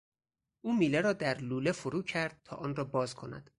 او میله را در لوله فرو کرد تا آن را باز کند.